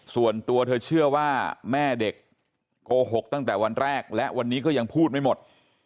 ส่วนตัวเธอเชื่อว่าแม่เด็กโกหกตั้งแต่วันแรกและวันนี้ก็ยังพูดไม่หมด